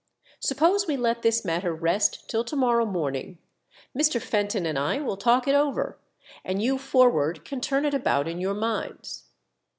Suppose we let this matter rest till to morrow morning ; Mr. Fenton and I will talk it over, and you forward can turn it about in your minds.